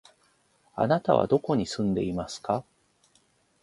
あなたはどこに住んでいますか？